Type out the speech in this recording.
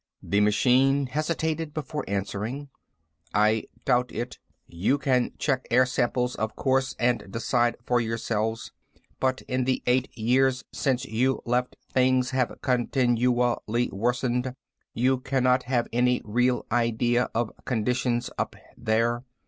The machine hesitated before answering. "I doubt it. You can check air samples, of course, and decide for yourselves. But in the eight years since you left, things have continually worsened. You cannot have any real idea of conditions up there.